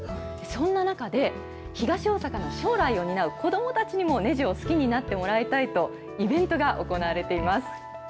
そんな中で、東大阪の将来を担う子どもたちにもねじを好きになってもらいたいと、イベントが行われています。